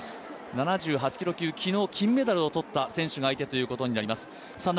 ７８キロ級、昨日金メダルを取った選手が相手ということになります。